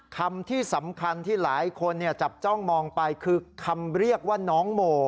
คำที่สำคัญที่หลายคนจับจ้องมองไปคือคำเรียกว่าน้องโม